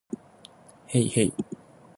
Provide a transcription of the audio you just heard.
へいへい